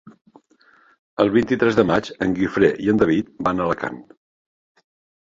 El vint-i-tres de maig en Guifré i en David van a Alacant.